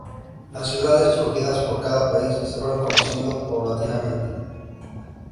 Las ciudades escogidas por cada país se fueron conociendo paulatinamente.